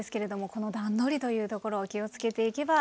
この段取りというところを気をつけていけば。